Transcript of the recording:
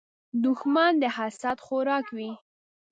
دښمن د حسد خوراک وي